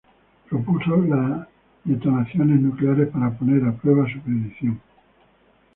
Propuso las detonaciones nucleares para poner a prueba su predicción.